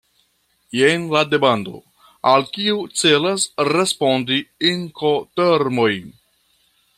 Jen la demando, al kiu celas respondi Inkotermoj.